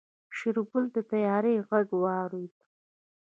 شېرګل د طيارې غږ واورېد.